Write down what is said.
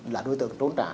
là đối tượng trốn trả